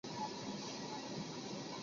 模糊测试工具通常可以被分为两类。